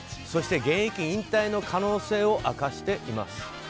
そして、現役引退の可能性を明かしています。